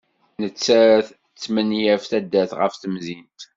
Nettat tesmenyaf taddart ɣef temdint.